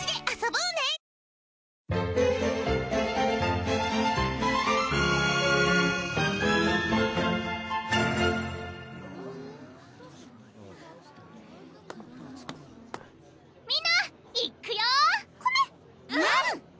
うん！